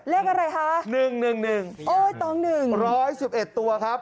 เลขอะไรฮะ๑๑๑๑๑๑ตัวครับ